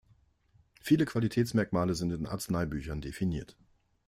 Viele Qualitätsmerkmale sind in Arzneibüchern definiert.